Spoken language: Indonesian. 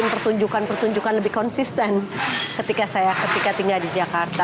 pertunjukan pertunjukan lebih konsisten ketika saya ketika tinggal di jakarta